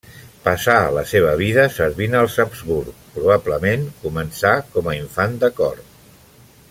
Passà la seva vida servint als Habsburg, probablement començà com a infant de cor.